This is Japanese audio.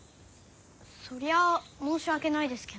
そりゃあ申し訳ないですけんど。